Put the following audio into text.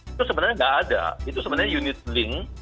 itu sebenarnya nggak ada itu sebenarnya unit link